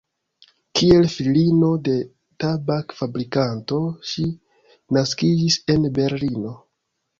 Kiel filino de tabak-fabrikanto ŝi naskiĝis en Berlino.